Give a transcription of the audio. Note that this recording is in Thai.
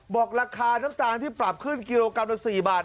บอกราคาน้ำตาลที่ปรับขึ้นกิโลกรัมละ๔บาท